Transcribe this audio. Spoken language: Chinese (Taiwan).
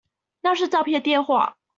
那是詐騙電話